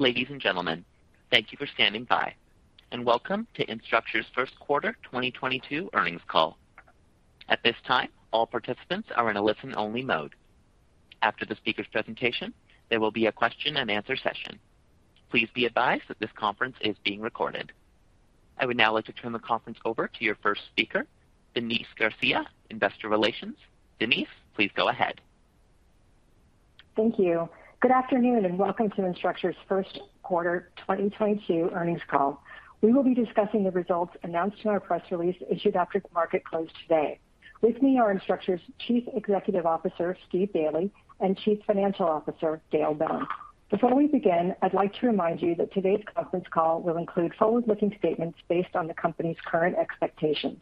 Ladies and gentlemen, thank you for standing by and welcome to Instructure's First Quarter 2022 Earnings Call. At this time, all participants are in a listen-only mode. After the speaker's presentation, there will be a question and answer session. Please be advised that this conference is being recorded. I would now like to turn the conference over to your first speaker, Denise Garcia, Investor Relations. Denise, please go ahead. Thank you. Good afternoon, and welcome to Instructure's First Quarter 2022 Earnings Call. We will be discussing the results announced in our press release issued after the market closed today. With me are Instructure's Chief Executive Officer, Steve Daly, and Chief Financial Officer, Dale Bowen. Before we begin, I'd like to remind you that today's conference call will include forward-looking statements based on the company's current expectations.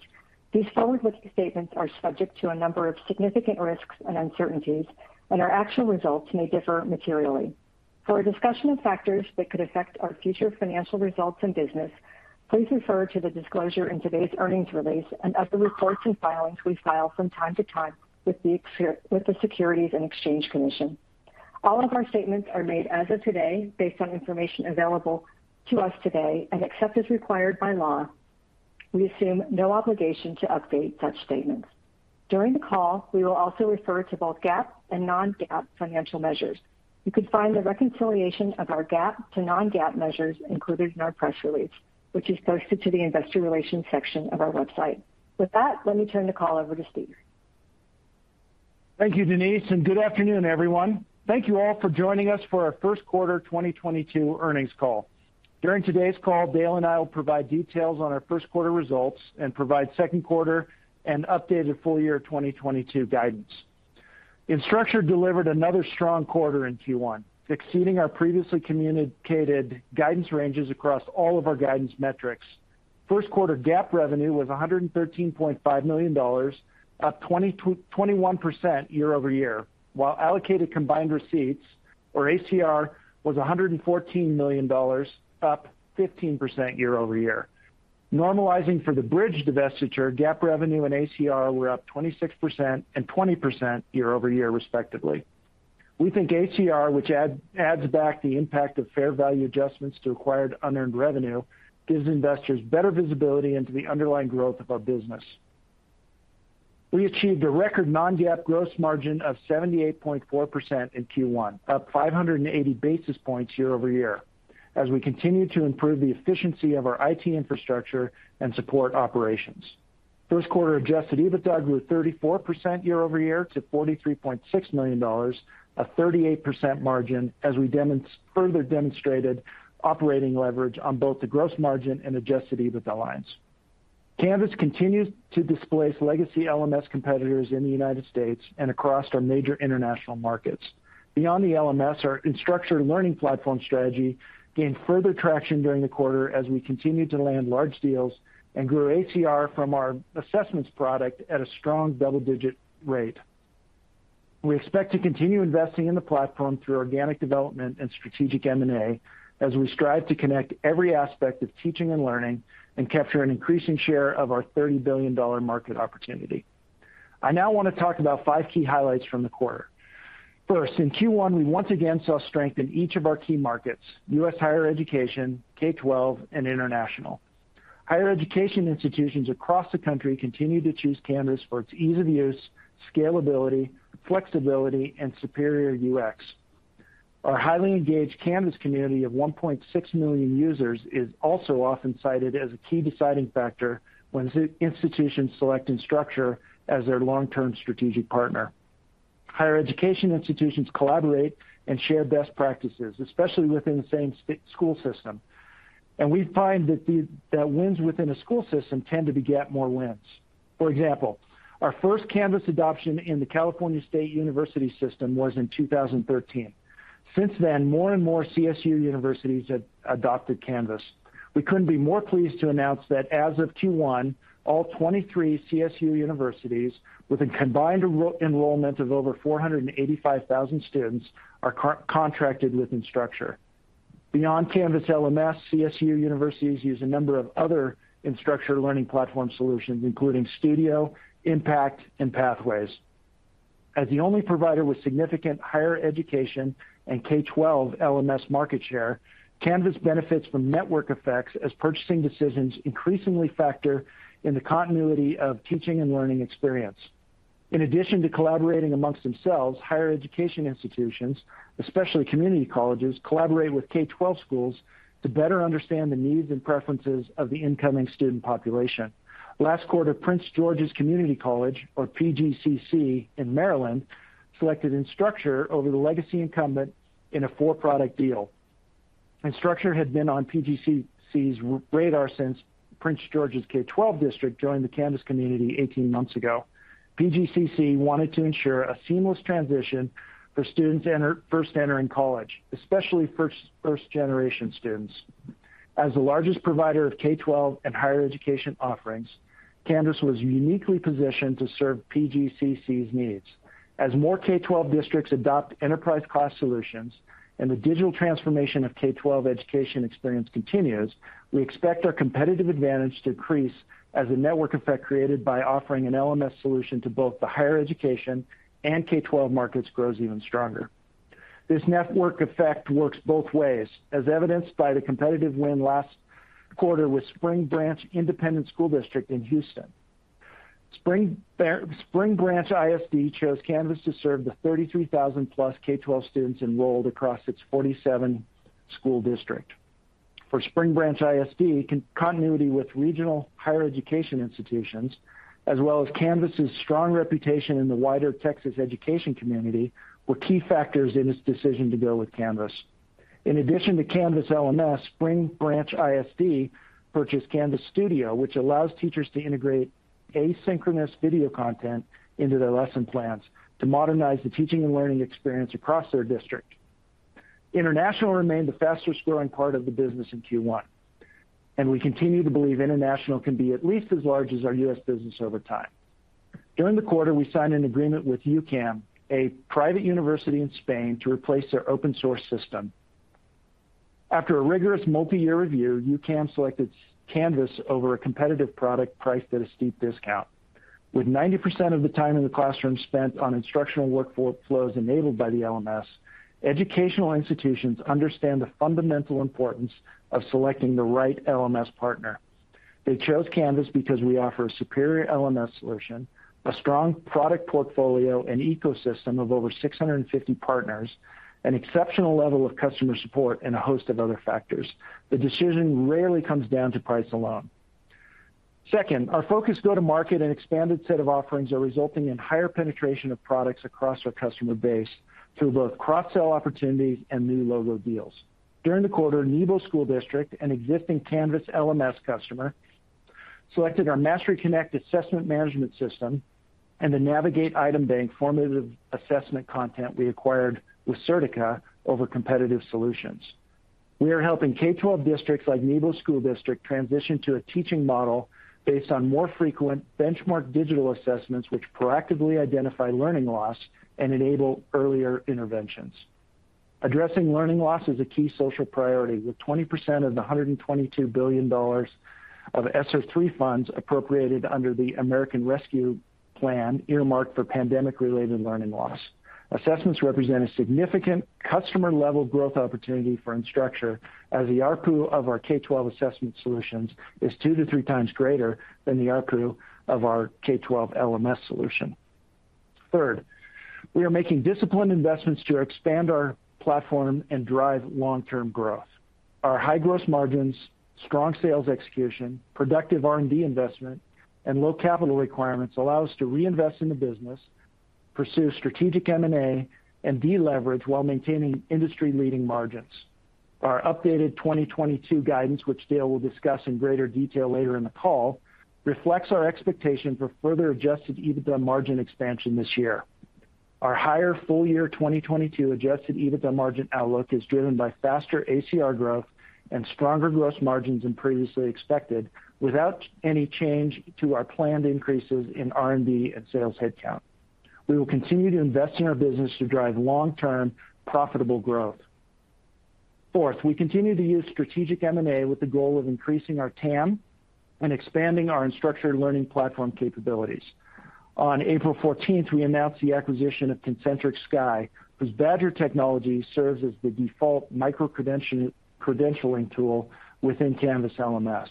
These forward-looking statements are subject to a number of significant risks and uncertainties, and our actual results may differ materially. For a discussion of factors that could affect our future financial results and business, please refer to the disclosure in today's earnings release and to the reports and filings we file from time to time with the Securities and Exchange Commission. All of our statements are made as of today based on information available to us today. Except as required by law, we assume no obligation to update such statements. During the call, we will also refer to both GAAP and non-GAAP financial measures. You can find the reconciliation of our GAAP to non-GAAP measures included in our press release, which is posted to the investor relations section of our website. With that, let me turn the call over to Steve. Thank you, Denise, and good afternoon, everyone. Thank you all for joining us for our first quarter 2022 earnings call. During today's call, Dale and I will provide details on our first quarter results and provide second quarter and updated full year 2022 guidance. Instructure delivered another strong quarter in Q1, exceeding our previously communicated guidance ranges across all of our guidance metrics. First quarter GAAP revenue was $113.5 million, up 21% year-over-year, while allocated combined receipts or ACR was $114 million, up 15% year-over-year. Normalizing for the Bridge divestiture, GAAP revenue and ACR were up 26% and 20% year-over-year, respectively. We think ACR, which adds back the impact of fair value adjustments to acquired unearned revenue, gives investors better visibility into the underlying growth of our business. We achieved a record non-GAAP gross margin of 78.4% in Q1, up 580 basis points year-over-year as we continue to improve the efficiency of our IT infrastructure and support operations. First quarter adjusted EBITDA grew 34% year-over-year to $43.6 million, a 38% margin as we further demonstrated operating leverage on both the gross margin and adjusted EBITDA lines. Canvas continues to displace legacy LMS competitors in the United States and across our major international markets. Beyond the LMS, our Instructure Learning Platform strategy gained further traction during the quarter as we continued to land large deals and grew ARR from our assessments product at a strong double-digit rate. We expect to continue investing in the platform through organic development and strategic M&A as we strive to connect every aspect of teaching and learning and capture an increasing share of our $30 billion market opportunity. I now want to talk about five key highlights from the quarter. First, in Q1, we once again saw strength in each of our key markets, U.S. higher education, K-12, and international. Higher education institutions across the country continue to choose Canvas for its ease of use, scalability, flexibility, and superior UX. Our highly engaged Canvas community of 1.6 million users is also often cited as a key deciding factor when these institutions select Instructure as their long-term strategic partner. Higher education institutions collaborate and share best practices, especially within the same school system. We find that these wins within a school system tend to beget more wins. For example, our first Canvas adoption in the California State University system was in 2013. Since then, more and more CSU universities have adopted Canvas. We couldn't be more pleased to announce that as of Q1, all 23 CSU universities with a combined enrollment of over 485,000 students are contracted with Instructure. Beyond Canvas LMS, CSU universities use a number of other Instructure learning platform solutions, including Studio, Impact, and Pathways. As the only provider with significant higher education and K-12 LMS market share, Canvas benefits from network effects as purchasing decisions increasingly factor in the continuity of teaching and learning experience. In addition to collaborating among themselves, higher education institutions, especially community colleges, collaborate with K-12 schools to better understand the needs and preferences of the incoming student population. Last quarter, Prince George's Community College, or PGCC, in Maryland, selected Instructure over the legacy incumbent in a 4-product deal. Instructure had been on PGCC's radar since Prince George's K-12 district joined the Canvas community 18 months ago. PGCC wanted to ensure a seamless transition for students first entering college, especially first generation students. As the largest provider of K-12 and higher education offerings, Canvas was uniquely positioned to serve PGCC's needs. As more K-12 districts adopt enterprise class solutions and the digital transformation of K-12 education experience continues, we expect our competitive advantage to increase as the network effect created by offering an LMS solution to both the higher education and K-12 markets grows even stronger. This network effect works both ways, as evidenced by the competitive win last quarter with Spring Branch Independent School District in Houston. Spring Branch ISD chose Canvas to serve the 33,000+ K-12 students enrolled across its 47-school district. For Spring Branch ISD, continuity with regional higher education institutions, as well as Canvas's strong reputation in the wider Texas education community, were key factors in its decision to go with Canvas. In addition to Canvas LMS, Spring Branch ISD purchased Canvas Studio, which allows teachers to integrate asynchronous video content into their lesson plans to modernize the teaching and learning experience across their district. International remained the fastest-growing part of the business in Q1, and we continue to believe international can be at least as large as our U.S. business over time. During the quarter, we signed an agreement with UCAM, a private university in Spain, to replace their open-source system. After a rigorous multi-year review, UCAM selected Canvas over a competitive product priced at a steep discount. With 90% of the time in the classroom spent on instructional workflow, flows enabled by the LMS, educational institutions understand the fundamental importance of selecting the right LMS partner. They chose Canvas because we offer a superior LMS solution, a strong product portfolio and ecosystem of over 650 partners, an exceptional level of customer support, and a host of other factors. The decision rarely comes down to price alone. Second, our focused go-to-market and expanded set of offerings are resulting in higher penetration of products across our customer base through both cross-sell opportunities and new logo deals. During the quarter, Nebo School District, an existing Canvas LMS customer, selected our Mastery Connect Assessment Management System and the Navigate Item Bank formative assessment content we acquired with Certica over competitive solutions. We are helping K-12 districts like Nebo School District transition to a teaching model based on more frequent benchmark digital assessments, which proactively identify learning loss and enable earlier interventions. Addressing learning loss is a key social priority, with 20% of the $122 billion of ESSER III funds appropriated under the American Rescue Plan earmarked for pandemic-related learning loss. Assessments represent a significant customer-level growth opportunity for Instructure, as the ARPU of our K-12 assessment solutions is 2-3 times greater than the ARPU of our K-12 LMS solution. Third, we are making disciplined investments to expand our platform and drive long-term growth. Our high gross margins, strong sales execution, productive R&D investment, and low capital requirements allow us to reinvest in the business, pursue strategic M&A, and deleverage while maintaining industry-leading margins. Our updated 2022 guidance, which Dale will discuss in greater detail later in the call, reflects our expectation for further adjusted EBITDA margin expansion this year. Our higher full-year 2022 adjusted EBITDA margin outlook is driven by faster ACR growth and stronger gross margins than previously expected without any change to our planned increases in R&D and sales headcount. We will continue to invest in our business to drive long-term profitable growth. Fourth, we continue to use strategic M&A with the goal of increasing our TAM and expanding our Instructure learning platform capabilities. On April fourteenth, we announced the acquisition of Concentric Sky, whose Badgr technology serves as the default micro-credential, credentialing tool within Canvas LMS.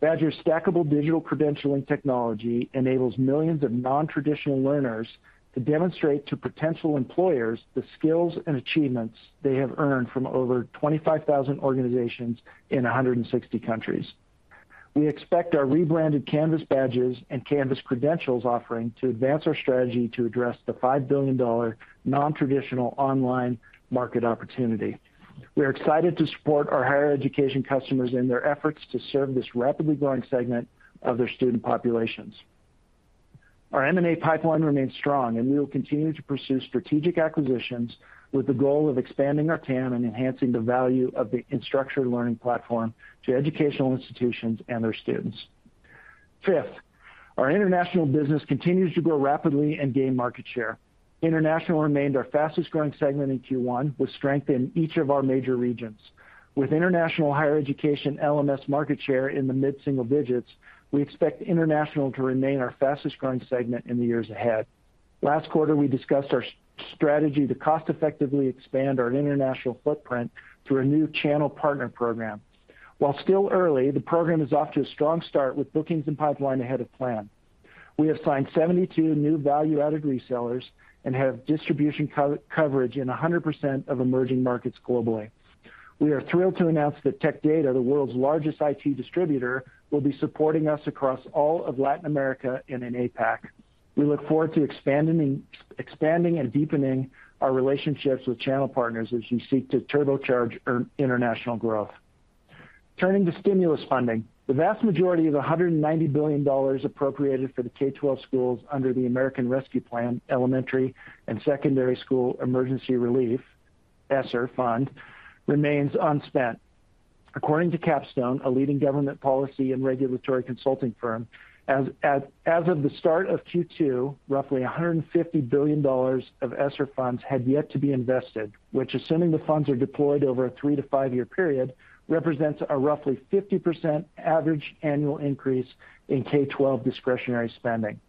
Badgr's stackable digital credentialing technology enables millions of non-traditional learners to demonstrate to potential employers the skills and achievements they have earned from over 25,000 organizations in 160 countries. We expect our rebranded Canvas Badges and Canvas Credentials offering to advance our strategy to address the $5 billion non-traditional online market opportunity. We are excited to support our higher education customers in their efforts to serve this rapidly growing segment of their student populations. Our M&A pipeline remains strong, and we will continue to pursue strategic acquisitions with the goal of expanding our TAM and enhancing the value of the Instructure learning platform to educational institutions and their students. Fifth, our international business continues to grow rapidly and gain market share. International remained our fastest-growing segment in Q1, with strength in each of our major regions. With international higher education LMS market share in the mid-single digits, we expect international to remain our fastest-growing segment in the years ahead. Last quarter, we discussed our strategy to cost-effectively expand our international footprint through a new channel partner program. While still early, the program is off to a strong start with bookings and pipeline ahead of plan. We have signed 72 new value-added resellers and have distribution coverage in 100% of emerging markets globally. We are thrilled to announce that Tech Data, the world's largest IT distributor, will be supporting us across all of Latin America and in APAC. We look forward to expanding and deepening our relationships with channel partners as we seek to turbocharge our international growth. Turning to stimulus funding, the vast majority of the $190 billion appropriated for the K-12 schools under the American Rescue Plan Elementary and Secondary School Emergency Relief, ESSER, fund remains unspent. According to Capstone, a leading government policy and regulatory consulting firm, as of the start of Q2, roughly $150 billion of ESSER funds had yet to be invested, which assuming the funds are deployed over a 3- to 5-year period, represents a roughly 50% average annual increase in K-12 discretionary spending.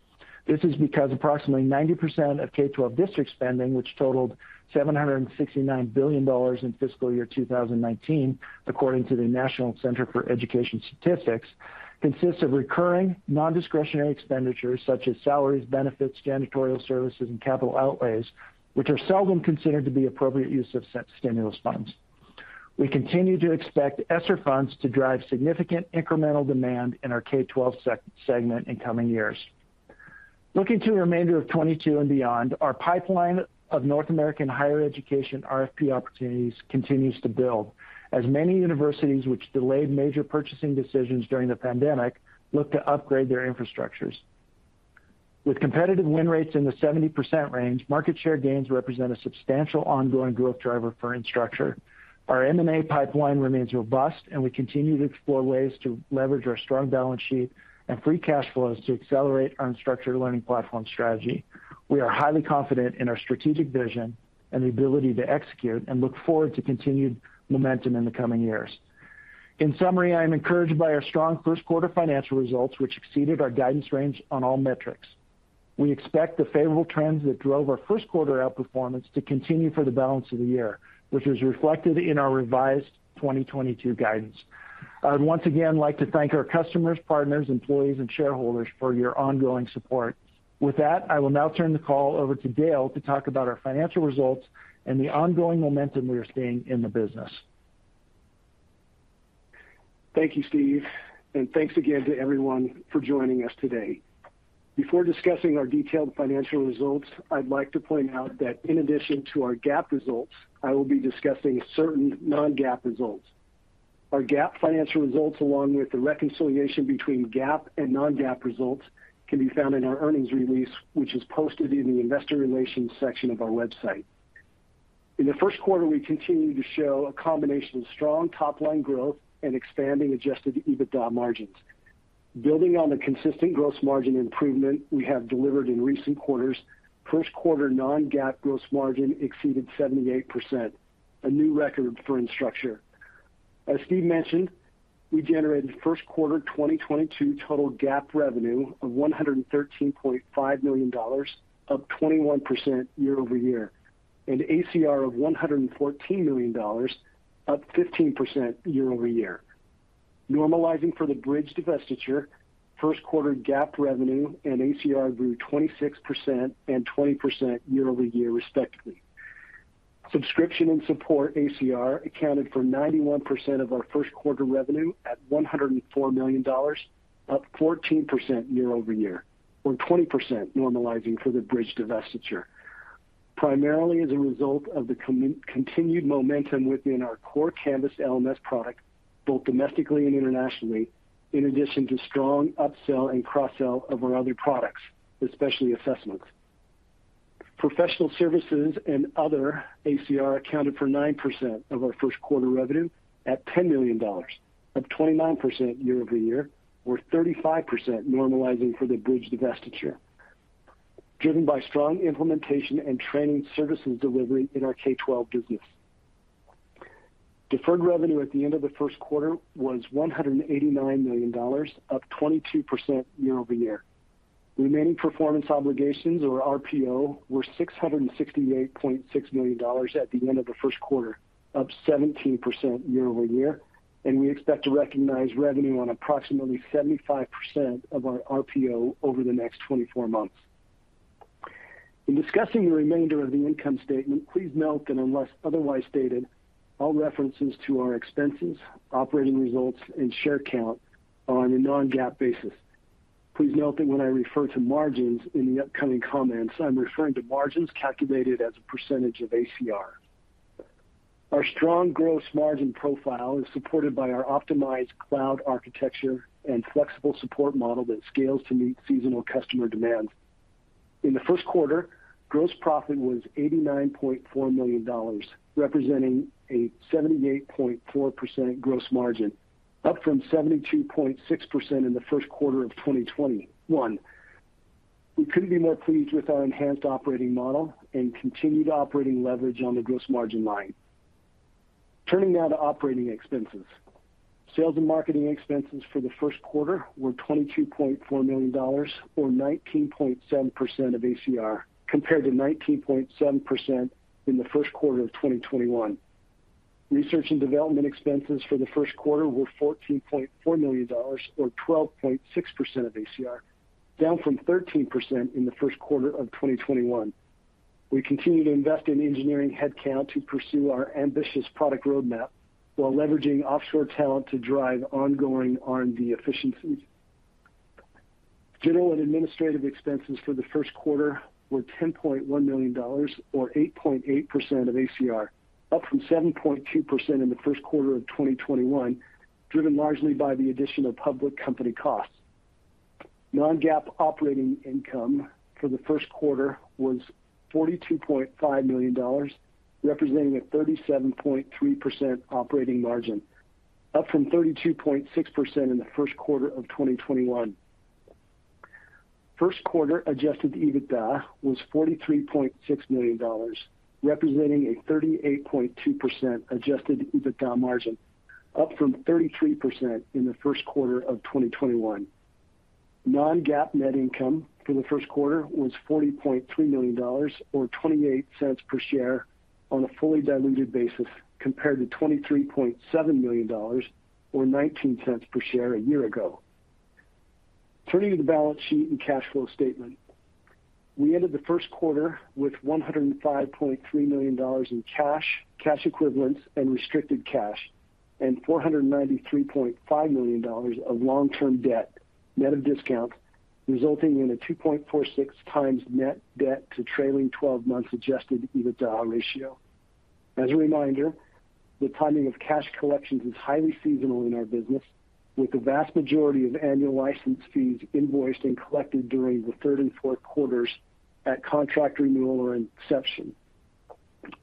This is because approximately 90% of K-12 district spending, which totaled $769 billion in fiscal year 2019, according to the National Center for Education Statistics, consists of recurring non-discretionary expenditures such as salaries, benefits, janitorial services, and capital outlays, which are seldom considered to be appropriate use of stimulus funds. We continue to expect ESSER funds to drive significant incremental demand in our K-12 segment in coming years. Looking to the remainder of 2022 and beyond, our pipeline of North American higher education RFP opportunities continues to build as many universities which delayed major purchasing decisions during the pandemic look to upgrade their infrastructures. With competitive win rates in the 70% range, market share gains represent a substantial ongoing growth driver for Instructure. Our M&A pipeline remains robust, and we continue to explore ways to leverage our strong balance sheet and free cash flows to accelerate our Instructure learning platform strategy. We are highly confident in our strategic vision and the ability to execute and look forward to continued momentum in the coming years. In summary, I am encouraged by our strong first quarter financial results, which exceeded our guidance range on all metrics. We expect the favorable trends that drove our first quarter outperformance to continue for the balance of the year, which is reflected in our revised 2022 guidance. I would once again like to thank our customers, partners, employees and shareholders for your ongoing support. With that, I will now turn the call over to Dale to talk about our financial results and the ongoing momentum we are seeing in the business. Thank you, Steve, and thanks again to everyone for joining us today. Before discussing our detailed financial results, I'd like to point out that in addition to our GAAP results, I will be discussing certain non-GAAP results. Our GAAP financial results, along with the reconciliation between GAAP and non-GAAP results, can be found in our earnings release, which is posted in the investor relations section of our website. In the first quarter, we continued to show a combination of strong top-line growth and expanding adjusted EBITDA margins. Building on the consistent gross margin improvement we have delivered in recent quarters, first quarter non-GAAP gross margin exceeded 78%, a new record for Instructure. As Steve mentioned, we generated first quarter 2022 total GAAP revenue of $113.5 million, up 21% year-over-year, and ACR of $114 million, up 15% year-over-year. Normalizing for the Bridge divestiture, first quarter GAAP revenue and ACR grew 26% and 20% year-over-year, respectively. Subscription and support ACR accounted for 91% of our first quarter revenue at $104 million, up 14% year-over-year, or 20% normalizing for the Bridge divestiture, primarily as a result of the continued momentum within our core Canvas LMS product, both domestically and internationally, in addition to strong upsell and cross-sell of our other products, especially assessments. Professional services and other ACR accounted for 9% of our first quarter revenue at $10 million, up 29% year-over-year, or 35% normalizing for the Bridge divestiture, driven by strong implementation and training services delivery in our K-12 business. Deferred revenue at the end of the first quarter was $189 million, up 22% year-over-year. Remaining performance obligations, or RPO, were $668.6 million at the end of the first quarter, up 17% year-over-year, and we expect to recognize revenue on approximately 75% of our RPO over the nxt 24 months. In discussing the remainder of the income statement, please note that unless otherwise stated, all references to our expenses, operating results, and share count are on a non-GAAP basis. Please note that when I refer to margins in the upcoming comments, I'm referring to margins calculated as a percentage of ACR. Our strong gross margin profile is supported by our optimized cloud architecture and flexible support model that scales to meet seasonal customer demand. In the first quarter, gross profit was $89.4 million, representing a 78.4% gross margin, up from 72.6% in the first quarter of 2021. We couldn't be more pleased with our enhanced operating model and continued operating leverage on the gross margin line. Turning now to operating expenses. Sales and marketing expenses for the first quarter were $22.4 million or 19.7% of ACR, compared to 19.7% in the first quarter of 2021. Research and development expenses for the first quarter were $14.4 million or 12.6% of ACR, down from 13% in the first quarter of 2021. We continue to invest in engineering headcount to pursue our ambitious product roadmap while leveraging offshore talent to drive ongoing R&D efficiencies. General and administrative expenses for the first quarter were $10.1 million or 8.8% of ACR, up from 7.2% in the first quarter of 2021, driven largely by the addition of public company costs. Non-GAAP operating income for the first quarter was $42.5 million, representing a 37.3% operating margin, up from 32.6% in the first quarter of 2021. First quarter adjusted EBITDA was $43.6 million, representing a 38.2% adjusted EBITDA margin, up from 33% in the first quarter of 2021. Non-GAAP net income for the first quarter was $40.3 million or $0.28 per share on a fully diluted basis, compared to $23.7 million or $0.19 per share a year ago. Turning to the balance sheet and cash flow statement. We ended the first quarter with $105.3 million in cash equivalents and restricted cash and $493.5 million of long-term debt net of discount, resulting in a 2.46 times net debt to trailing twelve months adjusted EBITDA ratio. As a reminder, the timing of cash collections is highly seasonal in our business, with the vast majority of annual license fees invoiced and collected during the third and fourth quarters at contract renewal or inception.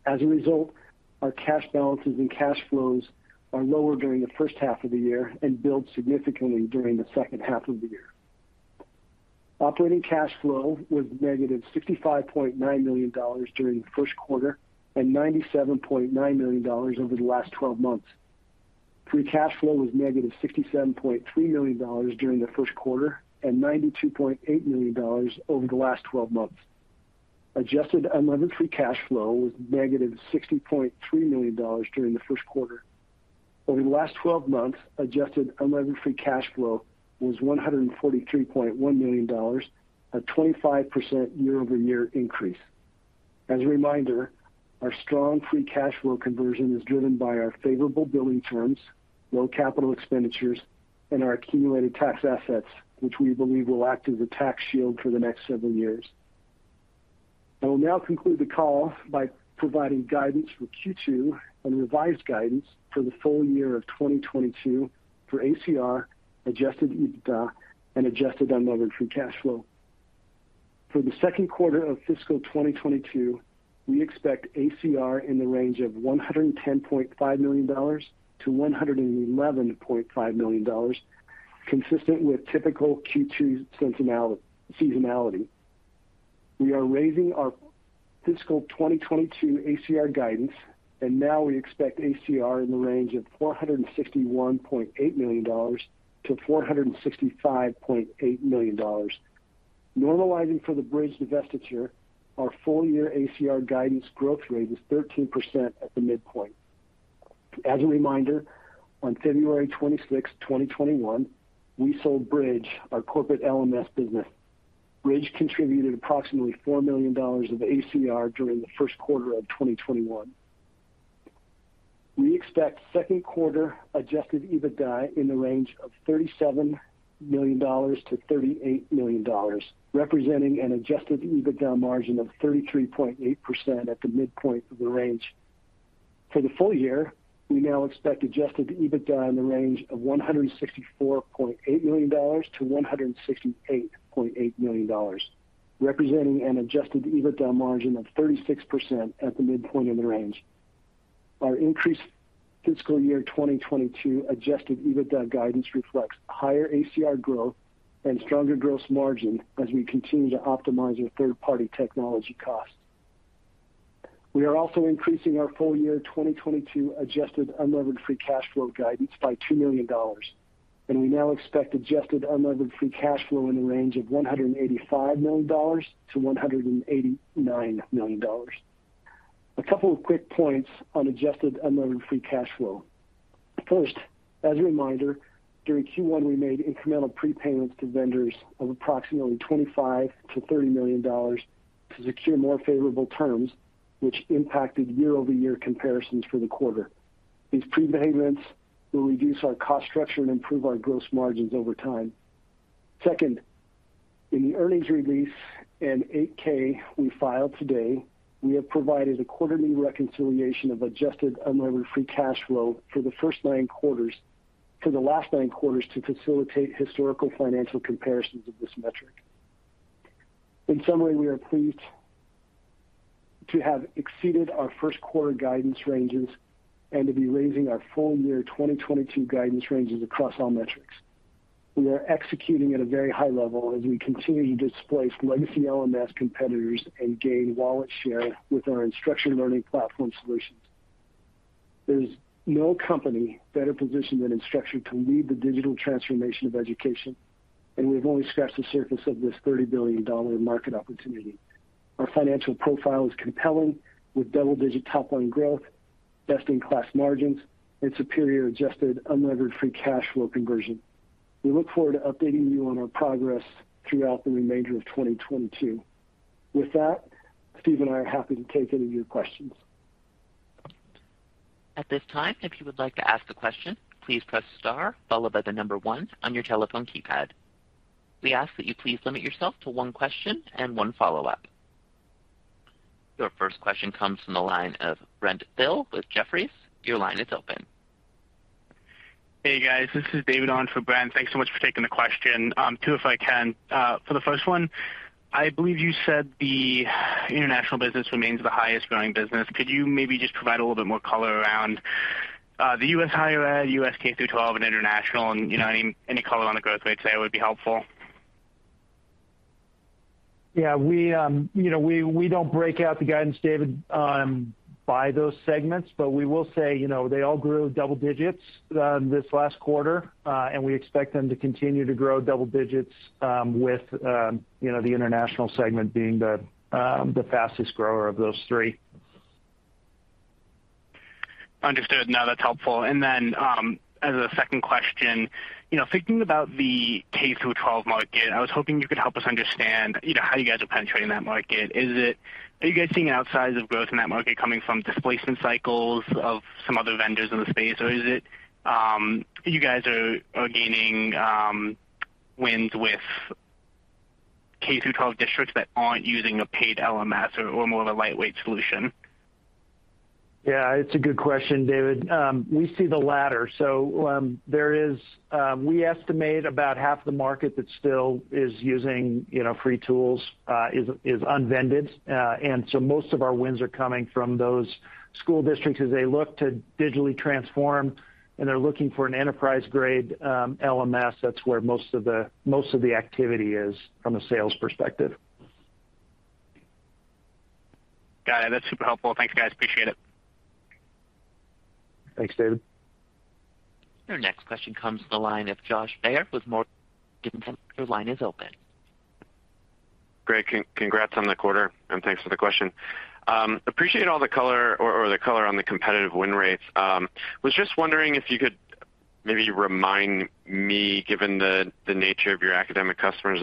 As a result, our cash balances and cash flows are lower during the first half of the year and build significantly during the second half of the year. Operating cash flow was negative $65.9 million during the first quarter and $97.9 million over the last twelve months. Free cash flow was negative $67.3 million during the first quarter and $92.8 million over the last twelve months. Adjusted unlevered free cash flow was negative $60.3 million during the first quarter. Over the last 12 months, adjusted unlevered free cash flow was $143.1 million, a 25% year-over-year increase. As a reminder, our strong free cash flow conversion is driven by our favorable billing terms, low capital expenditures, and our accumulated tax assets, which we believe will act as a tax shield for the next several years. I will now conclude the call by providing guidance for Q2 and revised guidance for the full year of 2022 for ACR, adjusted EBITDA, and adjusted unlevered free cash flow. For the second quarter of fiscal 2022, we expect ACR in the range of $110.5 million-$111.5 million, consistent with typical Q2 seasonality. We are raising our fiscal 2022 ACR guidance and now we expect ACR in the range of $461.8 million-$465.8 million. Normalizing for the Bridge divestiture, our full year ACR guidance growth rate is 13% at the midpoint. As a reminder, on February 26, 2021, we sold Bridge, our corporate LMS business. Bridge contributed approximately $4 million of ACR during the first quarter of 2021. We expect second quarter adjusted EBITDA in the range of $37 million-$38 million, representing an adjusted EBITDA margin of 33.8% at the midpoint of the range. For the full year, we now expect adjusted EBITDA in the range of $164.8 million-$168.8 million, representing an adjusted EBITDA margin of 36% at the midpoint of the range. Our increased fiscal year 2022 adjusted EBITDA guidance reflects higher ACR growth and stronger gross margin as we continue to optimize our third-party technology costs. We are also increasing our full year 2022 adjusted unlevered free cash flow guidance by $2 million, and we now expect adjusted unlevered free cash flow in the range of $185 million-$189 million. A couple of quick points on adjusted unlevered free cash flow. First, as a reminder, during Q1 we made incremental prepayments to vendors of approximately $25 million-$30 million to secure more favorable terms which impacted year-over-year comparisons for the quarter. These prepayments will reduce our cost structure and improve our gross margins over time. Second, in the earnings release and 8-K we filed today, we have provided a quarterly reconciliation of adjusted unlevered free cash flow for the last nine quarters to facilitate historical financial comparisons of this metric. In summary, we are pleased to have exceeded our first quarter guidance ranges and to be raising our full year 2022 guidance ranges across all metrics. We are executing at a very high level as we continue to displace legacy LMS competitors and gain wallet share with our Instructure Learning Platform solutions. There is no company better positioned than Instructure to lead the digital transformation of education, and we have only scratched the surface of this $30 billion market opportunity. Our financial profile is compelling with double-digit top line growth, best in class margins, and superior adjusted unlevered free cash flow conversion. We look forward to updating you on our progress throughout the remainder of 2022. With that, Steve and I are happy to take any of your questions. At this time, if you would like to ask a question, please press star followed by the number one on your telephone keypad. We ask that you please limit yourself to one question and one follow-up. Your first question comes from the line of Brent Thill with Jefferies. Your line is open. Hey, guys. This is David on for Brent. Thanks so much for taking the question. 2, if I can. For the first one, I believe you said the international business remains the highest growing business. Could you maybe just provide a little bit more color around the U.S. higher ed, U.S. K-12, and international and, you know, any color on the growth rates there would be helpful. Yeah. We, you know, we don't break out the guidance, David, by those segments, but we will say, you know, they all grew double digits this last quarter. We expect them to continue to grow double digits with, you know, the international segment being the fastest grower of those three. Understood. No, that's helpful. As a second question, you know, thinking about the K-12 market, I was hoping you could help us understand, you know, how you guys are penetrating that market. Are you guys seeing outsized growth in that market coming from displacement cycles of some other vendors in the space? Or is it, you guys are gaining wins with K-12 districts that aren't using a paid LMS or more of a lightweight solution? Yeah, it's a good question, David. We see the latter. We estimate about half the market that still is using, you know, free tools, is unvended. Most of our wins are coming from those school districts as they look to digitally transform, and they're looking for an enterprise-grade LMS. That's where most of the activity is from a sales perspective. Got it. That's super helpful. Thank you, guys. Appreciate it. Thanks, David. Your next question comes from the line of Josh Baer with Morgan Stanley. Your line is open. Greg, congrats on the quarter, and thanks for the question. Appreciate all the color on the competitive win rates. Was just wondering if you could maybe remind me, given the nature of your academic customers,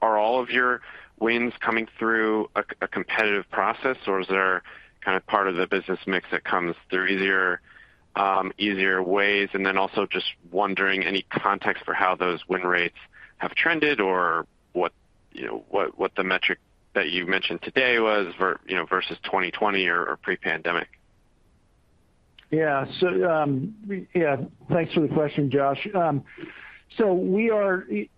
are all of your wins coming through a competitive process, or is there kind of part of the business mix that comes through easier ways? Then also just wondering any context for how those win rates have trended or what, you know, the metric that you mentioned today was, you know, versus 2020 or pre-pandemic. Yeah. Yeah, thanks for the question, Josh. You know, we've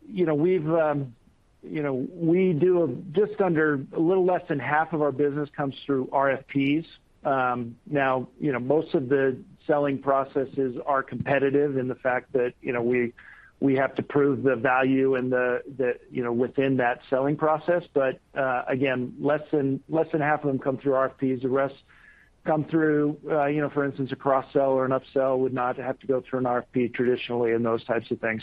you know, we do just under a little less than half of our business comes through RFPs. Now, you know, most of the selling processes are competitive in the fact that, you know, we have to prove the value and the, you know, within that selling process. Again, less than half of them come through RFPs. The rest come through, you know, for instance, a cross-sell or an upsell would not have to go through an RFP traditionally and those types of things.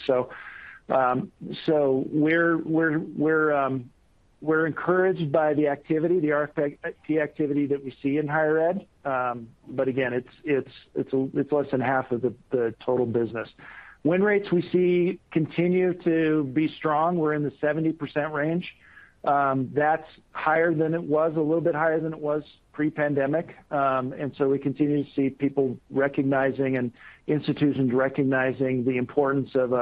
We're encouraged by the activity, the RFP activity that we see in higher ed. Again, it's less than half of the total business. Win rates we see continue to be strong. We're in the 70% range. That's higher than it was, a little bit higher than it was pre-pandemic. We continue to see people recognizing and institutions recognizing the importance of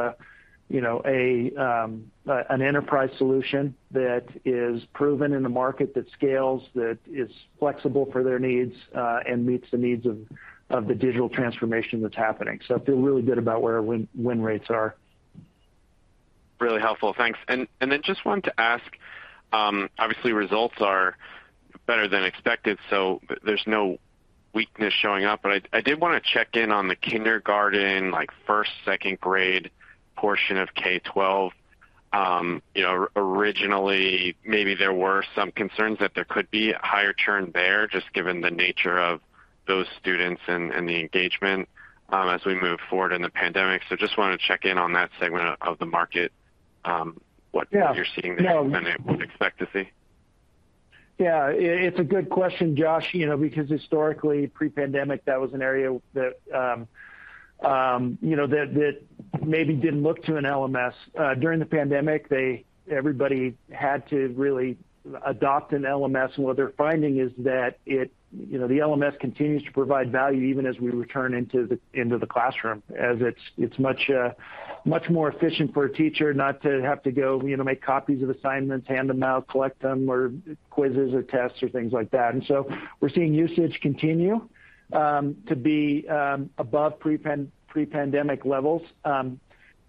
you know an enterprise solution that is proven in the market that scales, that is flexible for their needs, and meets the needs of the digital transformation that's happening. I feel really good about where our win rates are. Really helpful. Thanks. just wanted to ask, obviously results are better than expected, so there's no weakness showing up. I did wanna check in on the kindergarten, like, first, second grade portion of K-12. You know, originally maybe there were some concerns that there could be a higher churn there just given the nature of those students and the engagement, as we move forward in the pandemic. just wanted to check in on that segment of the market, Yeah. What you're seeing there than what we'd expect to see. Yeah. It's a good question, Josh, you know, because historically pre-pandemic, that was an area that, you know, maybe didn't look to an LMS. During the pandemic, everybody had to really adopt an LMS. What they're finding is that it, you know, the LMS continues to provide value even as we return into the classroom as it's much more efficient for a teacher not to have to go, you know, make copies of assignments, hand them out, collect them, or quizzes or tests or things like that. We're seeing usage continue to be above pre-pandemic levels.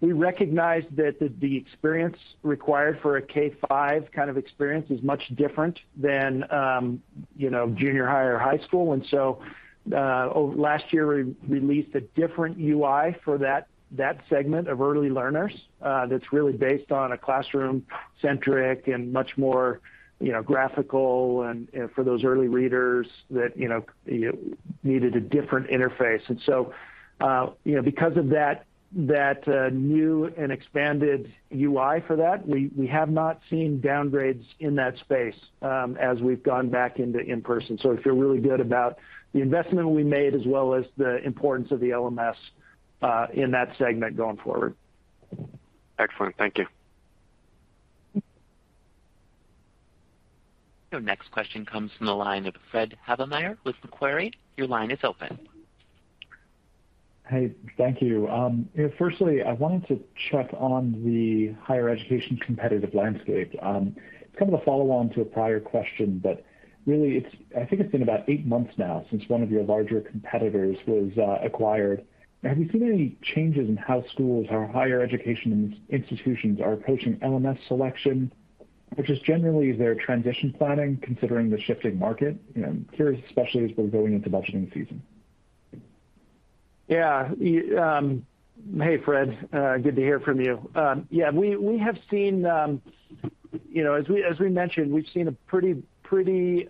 We recognize that the experience required for a K-5 kind of experience is much different than, you know, junior high or high school. Over last year, we released a different UI for that segment of early learners that's really based on a classroom centric and much more, you know, graphical and for those early readers that, you know, you needed a different interface. You know, because of that new and expanded UI for that, we have not seen downgrades in that space as we've gone back into in-person. I feel really good about the investment we made as well as the importance of the LMS in that segment going forward. Excellent. Thank you. Your next question comes from the line of Fred Havemeyer with Macquarie. Your line is open. Hey, thank you. Firstly, I wanted to check on the higher education competitive landscape. Kind of a follow on to a prior question, but really it's, I think it's been about eight months now since one of your larger competitors was acquired. Have you seen any changes in how schools or higher education institutions are approaching LMS selection? Or just generally, is there transition planning considering the shifting market? I'm curious, especially as we're going into budgeting season. Yeah. Hey, Frederick. Good to hear from you. Yeah, we have seen, you know, as we mentioned, we've seen a pretty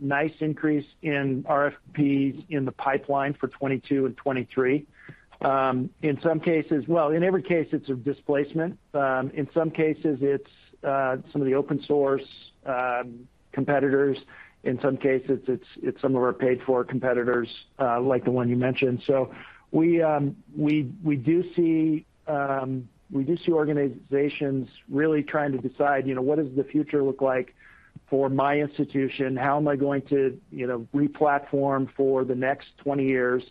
nice increase in RFPs in the pipeline for 2022 and 2023. In every case, it's a displacement. In some cases, it's some of the open source competitors. In some cases, it's some of our paid-for competitors, like the one you mentioned. We do see organizations really trying to decide, you know, what does the future look like for my institution? How am I going to, you know, re-platform for the next 20 years?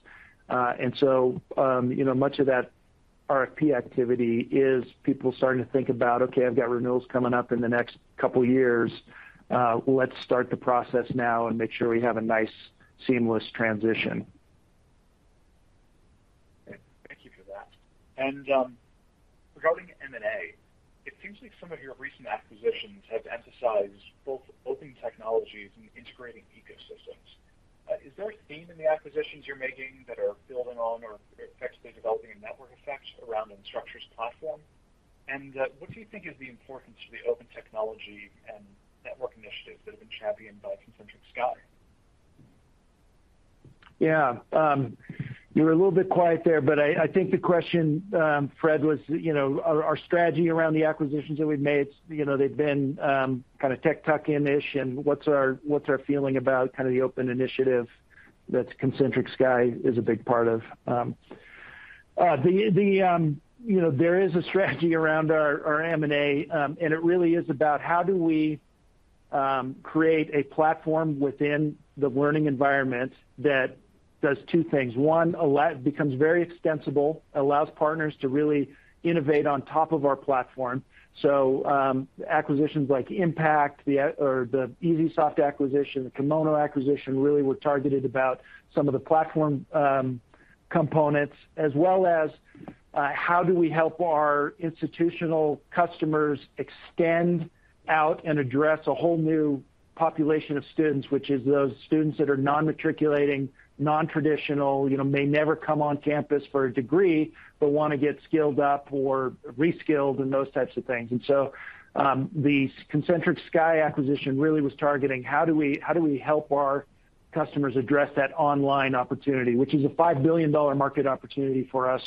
You know, much of that RFP activity is people starting to think about, okay, I've got renewals coming up in the next couple of years. Let's start the process now and make sure we have a nice, seamless transition. Thank you for that. Regarding M&A, it seems like some of your recent acquisitions have emphasized both open technologies and integrating ecosystems. Is there a theme in the acquisitions you're making that are building on or effectively developing a network effect around Instructure's platform? What do you think is the importance of the open technology and network initiatives that have been championed by Concentric Sky? Yeah. You were a little bit quiet there, but I think the question, Fred, was, you know, our strategy around the acquisitions that we've made. You know, they've been kind of tech tuck-in-ish, and what's our feeling about the open initiative that Concentric Sky is a big part of. You know, there is a strategy around our M&A, and it really is about how do we create a platform within the learning environment that does two things. One, becomes very extensible, allows partners to really innovate on top of our platform. Acquisitions like Impact or the EesySoft acquisition, the Kimono acquisition, really were targeted about some of the platform components, as well as how do we help our institutional customers extend out and address a whole new population of students, which is those students that are non-matriculating, non-traditional, you know, may never come on campus for a degree, but want to get skilled up or re-skilled and those types of things. The Concentric Sky acquisition really was targeting how do we help our customers address that online opportunity, which is a $5 billion market opportunity for us.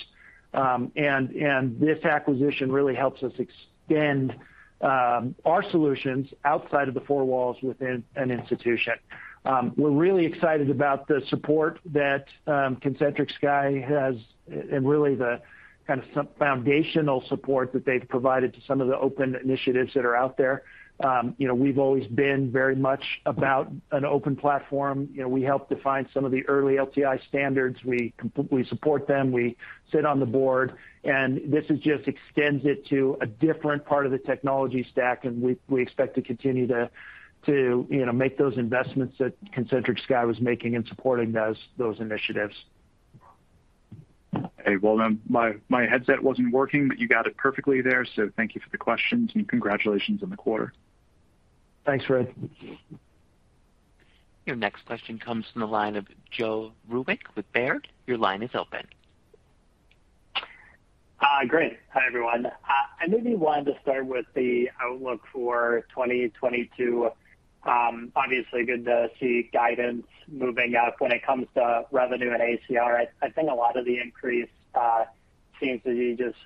This acquisition really helps us extend our solutions outside of the four walls within an institution. We're really excited about the support that Concentric Sky has, and really the kind of foundational support that they've provided to some of the open initiatives that are out there. You know, we've always been very much about an open platform. You know, we helped define some of the early LTI standards. We support them, we sit on the board, and this just extends it to a different part of the technology stack, and we expect to continue to, you know, make those investments that Concentric Sky was making in supporting those initiatives. Hey, well, then my headset wasn't working, but you got it perfectly there. Thank you for the questions, and congratulations on the quarter. Thanks, Frederick. Your next question comes from the line of Joe Vruwink with Baird. Your line is open. Hi. Great. Hi, everyone. I maybe wanted to start with the outlook for 2022. Obviously good to see guidance moving up when it comes to revenue and ACR. I think a lot of the increase seems to be just,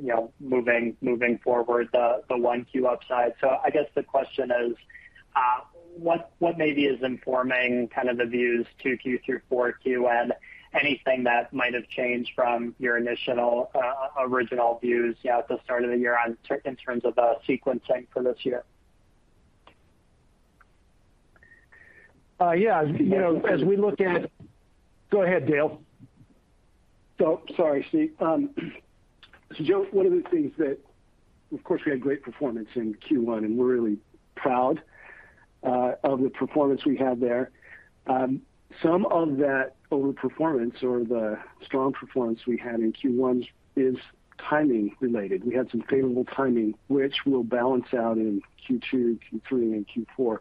you know, moving forward the 1Q upside. I guess the question is, what maybe is informing kind of the views 2Q through 4Q and anything that might have changed from your initial original views, yeah, at the start of the year on in terms of the sequencing for this year? Yeah. You know, go ahead, Dale. Oh, sorry, Steve. Joe, one of the things that, of course, we had great performance in Q1, and we're really proud of the performance we had there. Some of that overperformance or the strong performance we had in Q1 is timing related. We had some favorable timing, which will balance out in Q2, Q3, and Q4.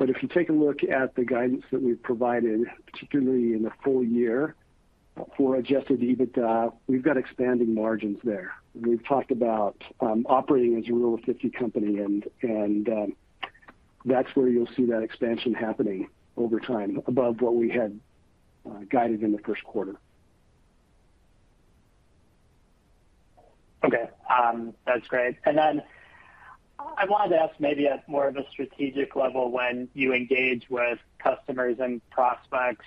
If you take a look at the guidance that we've provided, particularly in the full year for adjusted EBITDA, we've got expanding margins there. We've talked about operating as a rule of fifty company, and that's where you'll see that expansion happening over time above what we had guided in the first quarter. Okay. That's great. Then I wanted to ask maybe at more of a strategic level, when you engage with customers and prospects,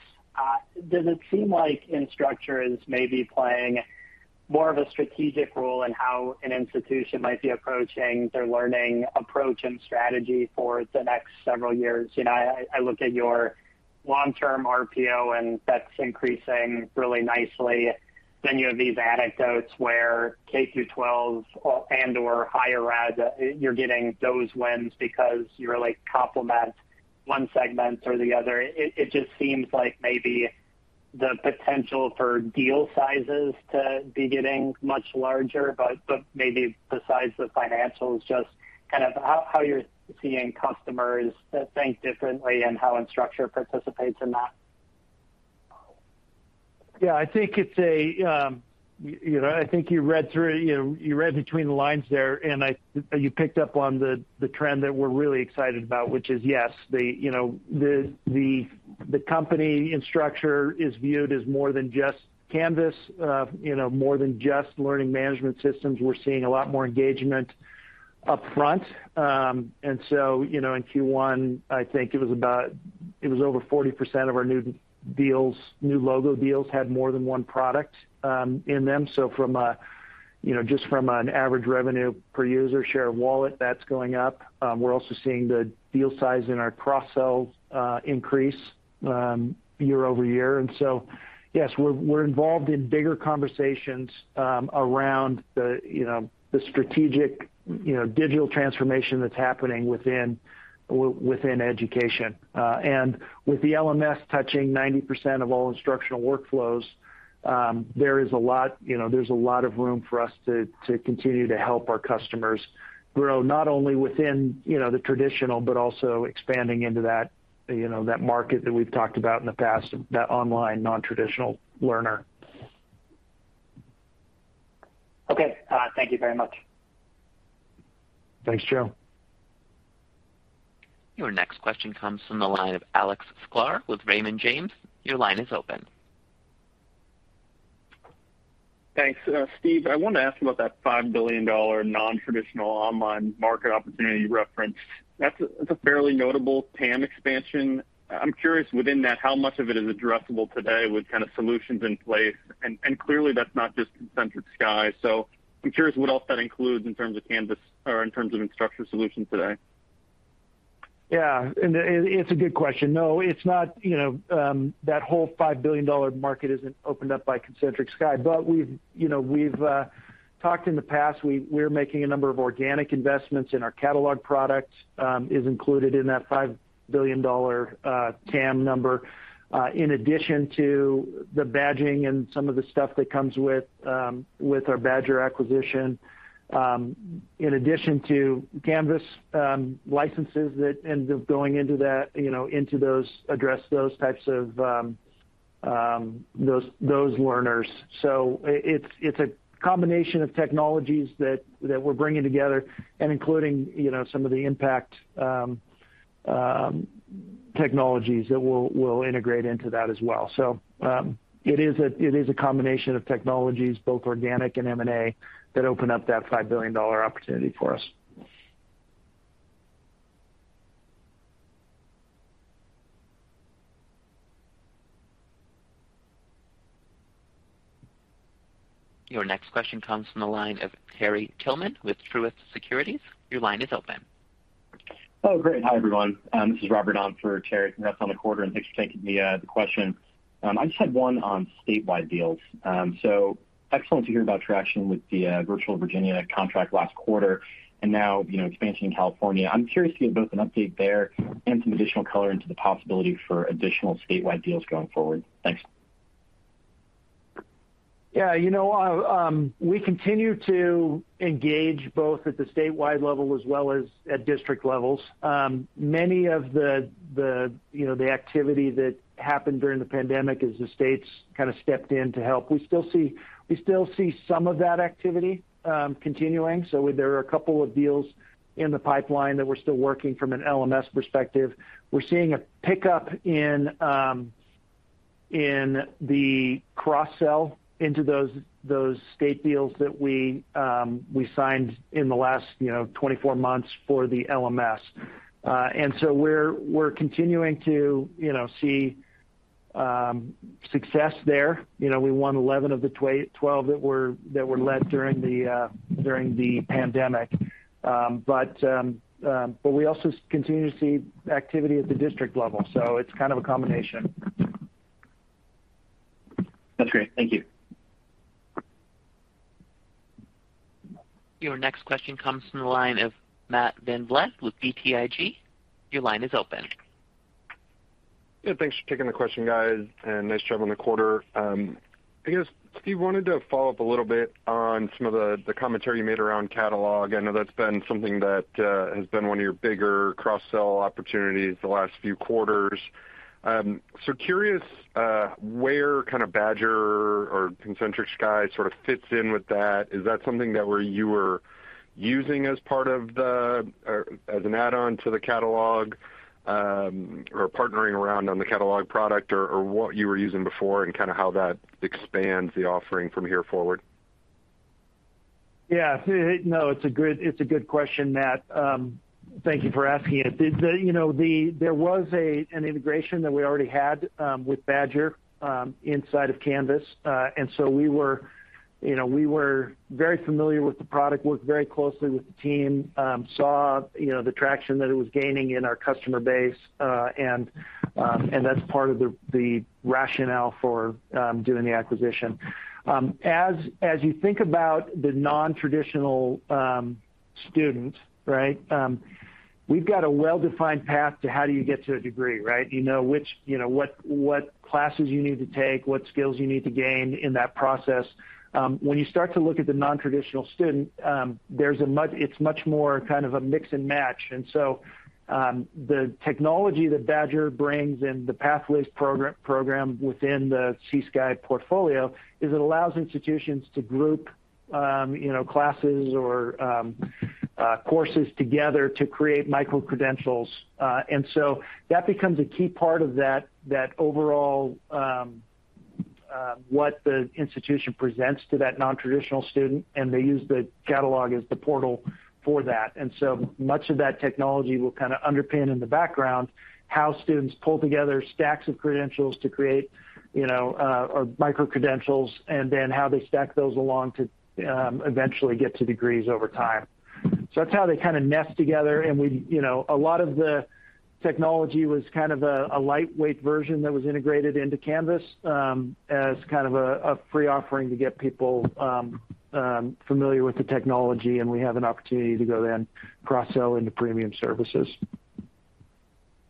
does it seem like Instructure is maybe playing more of a strategic role in how an institution might be approaching their learning approach and strategy for the next several years. You know, I look at your long-term RPO, and that's increasing really nicely. Then you have these anecdotes where K-12 or higher ed, you're getting those wins because you really complement one segment or the other. It just seems like maybe the potential for deal sizes to be getting much larger, but maybe besides the financials, just kind of how you're seeing customers think differently and how Instructure participates in that. Yeah, I think it's a you know, I think you read through you know you read between the lines there, you picked up on the trend that we're really excited about, which is, yes, you know, the company Instructure is viewed as more than just Canvas, you know, more than just learning management systems. We're seeing a lot more engagement upfront. You know, in Q1, I think it was over 40% of our new deals, new logo deals had more than one product in them. From a you know just from an average revenue per user share of wallet, that's going up. We're also seeing the deal size in our cross-sells increase year-over-year. Yes, we're involved in bigger conversations around the you know the strategic you know digital transformation that's happening within education. With the LMS touching 90% of all instructional workflows, there is a lot you know of room for us to continue to help our customers grow, not only within you know the traditional, but also expanding into that you know that market that we've talked about in the past, that online non-traditional learner. Okay. Thank you very much. Thanks, Joe. Your next question comes from the line of Alex Sklar with Raymond James. Your line is open. Thanks. Steve, I wanna ask about that $5 billion non-traditional online market opportunity reference. That's a fairly notable TAM expansion. I'm curious, within that, how much of it is addressable today with kind of solutions in place? Clearly that's not just Concentric Sky. I'm curious what else that includes in terms of Canvas or in terms of Instructure solutions today. Yeah. It's a good question. No, it's not, you know, that whole $5 billion market isn't opened up by Concentric Sky. We've talked in the past. We're making a number of organic investments in our catalog products in that $5 billion TAM number in addition to the badging and some of the stuff that comes with our Badgr acquisition in addition to Canvas licenses that end up going into that, you know, into those addressable types of those learners. It's a combination of technologies that we're bringing together and including, you know, some of the Impact technologies that we'll integrate into that as well. It is a combination of technologies, both organic and M&A, that open up that $5 billion opportunity for us. Your next question comes from the line of Terry Tillman with Truist Securities. Your line is open. Oh, great. Hi, everyone. This is Robert on for Terry. Congrats on the quarter, and thanks for taking the question. I just had one on statewide deals. Excellent to hear about traction with the Virtual Virginia contract last quarter and now, you know, expansion in California. I'm curious to get both an update there and some additional color into the possibility for additional statewide deals going forward. Thanks. Yeah. You know, we continue to engage both at the statewide level as well as at district levels. Many of the you know the activity that happened during the pandemic as the states kinda stepped in to help. We still see some of that activity continuing. There are a couple of deals in the pipeline that we're still working from an LMS perspective. We're seeing a pickup in the cross-sell into those state deals that we signed in the last 24 months for the LMS. We're continuing to see success there. You know, we won 11 of the 12 that were let during the pandemic. We also continue to see activity at the district level. It's kind of a combination. That's great. Thank you. Your next question comes from the line of Matthew VanVliet with BTIG. Your line is open. Yeah, thanks for taking the question, guys, and nice job on the quarter. I guess, Steve, wanted to follow up a little bit on some of the commentary you made around catalog. I know that's been something that has been one of your bigger cross-sell opportunities the last few quarters. Curious, where kinda Badgr or Concentric Sky sorta fits in with that. Is that something that you were using as part of the core, or as an add-on to the catalog, or partnering around on the catalog product, or what you were using before and kinda how that expands the offering from here forward? Yeah, no, it's a good question, Matt. Thank you for asking it. There was an integration that we already had with Badgr inside of Canvas. We were very familiar with the product, worked very closely with the team, saw the traction that it was gaining in our customer base. That's part of the rationale for doing the acquisition. As you think about the non-traditional student, right? We've got a well-defined path to how do you get to a degree, right? You know what classes you need to take, what skills you need to gain in that process. When you start to look at the non-traditional student, there's a much It's much more kind of a mix and match. The technology that Badgr brings and the Pathways program within the Concentric Sky portfolio allows institutions to group, you know, classes or courses together to create microcredentials. That becomes a key part of that overall what the institution presents to that non-traditional student, and they use the catalog as the portal for that. Much of that technology will kinda underpin in the background how students pull together stacks of credentials to create, you know, or microcredentials, and then how they stack those along to eventually get to degrees over time. That's how they kinda nest together. We, you know, a lot of the technology was kind of a lightweight version that was integrated into Canvas, as kind of a free offering to get people familiar with the technology, and we have an opportunity to go then cross-sell into premium services.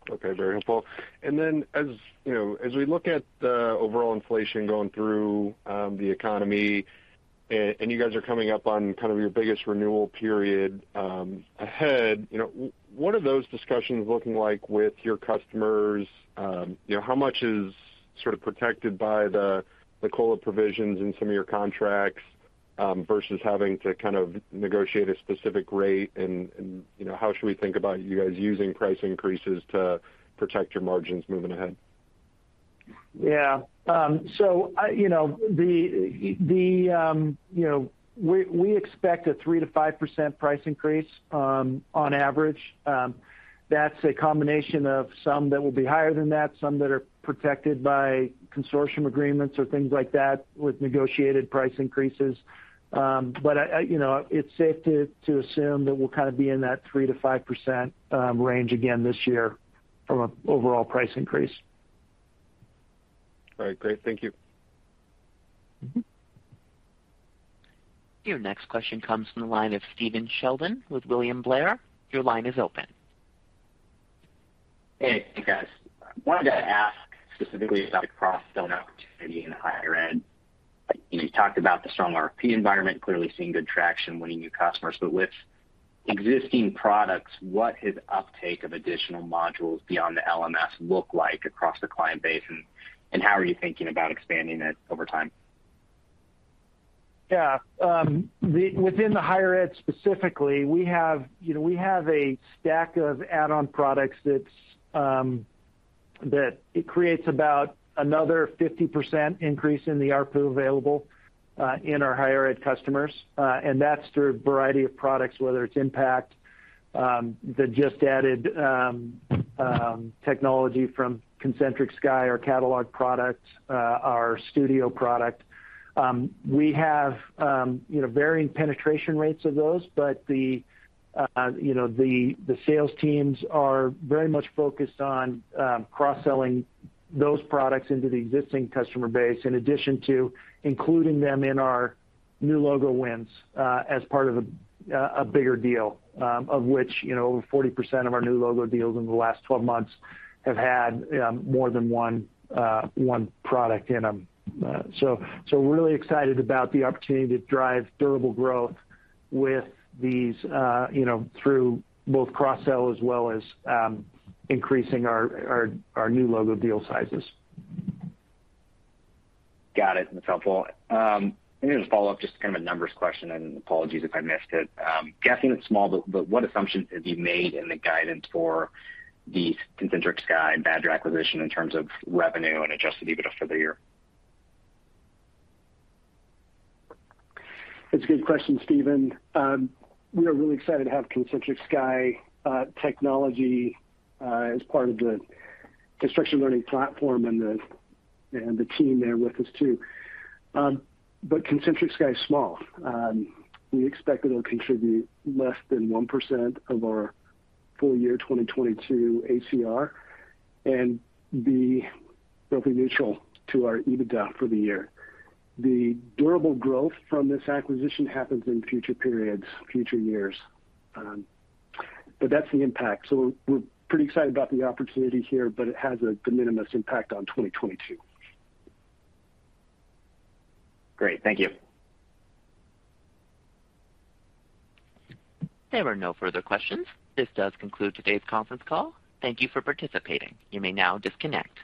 Okay. Very helpful. As you know, as we look at the overall inflation going through the economy and you guys are coming up on kind of your biggest renewal period ahead, you know, what are those discussions looking like with your customers? You know, how much is sort of protected by the COLA provisions in some of your contracts versus having to kind of negotiate a specific rate and, you know, how should we think about you guys using price increases to protect your margins moving ahead? You know, the you know, we expect a 3%-5% price increase on average. That's a combination of some that will be higher than that, some that are protected by consortium agreements or things like that with negotiated price increases. You know, it's safe to assume that we'll kind of be in that 3%-5% range again this year from an overall price increase. All right. Great. Thank you. Mm-hmm. Your next question comes from the line of Stephen Sheldon with William Blair. Your line is open. Hey. Hey, guys. I wanted to ask specifically about the cross-sell opportunity in higher ed. You know, you talked about the strong RP environment, clearly seeing good traction, winning new customers. But with existing products, what is uptake of additional modules beyond the LMS look like across the client base, and how are you thinking about expanding that over time? Yeah. Within the higher ed specifically, we have, you know, we have a stack of add-on products that's that it creates about another 50% increase in the ARPU available in our higher ed customers. That's through a variety of products, whether it's Impact, the just added technology from Concentric Sky, our catalog product, our Studio product. We have, you know, varying penetration rates of those, but the, you know, the sales teams are very much focused on cross-selling those products into the existing customer base, in addition to including them in our new logo wins, as part of a bigger deal, of which, you know, over 40% of our new logo deals over the last 12 months have had more than one product in them. We're really excited about the opportunity to drive durable growth with these, you know, through both cross-sell as well as, increasing our new logo deal sizes. Got it. That's helpful. Maybe just a follow-up, just kind of a numbers question, and apologies if I missed it. Guessing it's small, but what assumptions have you made in the guidance for the Concentric Sky Badgr acquisition in terms of revenue and adjusted EBITDA for the year? That's a good question, Stephen. We are really excited to have Concentric Sky technology as part of the Instructure Learning Platform and the team there with us too. But Concentric Sky is small. We expect it'll contribute less than 1% of our full year 2022 ACR and be roughly neutral to our EBITDA for the year. The durable growth from this acquisition happens in future periods, future years. But that's the impact. We're pretty excited about the opportunity here, but it has a de minimis impact on 2022. Great. Thank you. There are no further questions. This does conclude today's conference call. Thank you for participating. You may now disconnect.